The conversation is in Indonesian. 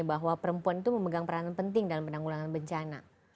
bahwa perempuan itu memegang peranan penting dalam penanggulangan bencana